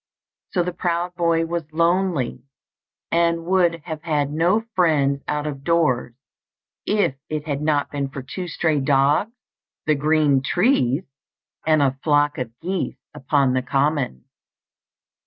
So the proud boy was lonely, and would have had no friends out of doors if it had not been for two stray dogs, the green trees, and a flock of geese upon the common.